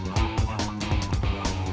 gak ada apa apa